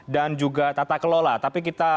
dan juga tata kelola tapi kita